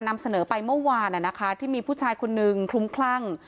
นำเสนอไปเมื่อวานที่มีผู้ชายคนนึงคลุ้มคลั่ง